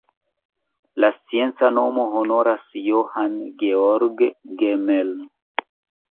La scienca nomo honoras Johann Georg Gmelin.